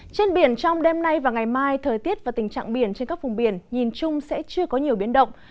trên biển trong đêm nay và ngày mai thời tiết và tình trạng biển trên các vùng biển nhìn chung sẽ chưa có nhiều biến động